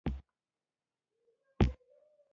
د ړنګېدو پر پوله ولاړ و